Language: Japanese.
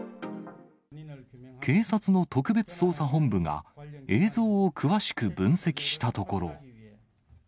警察の特別捜査本部が、映像を詳しく分析したところ。